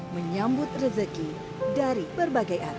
menyambut rezeki dari berbagai arah